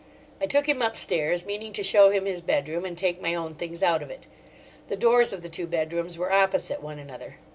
I took him upstairs, meaning to show him his bedroom and take my own things out of it. The doors of the two bedrooms were opposite one another.